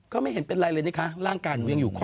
ไม่เห็นเป็นไรเลยนะคะร่างกายหนูยังอยู่คอ